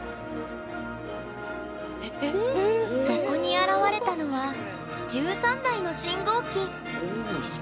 そこに現れたのは１３台の信号機。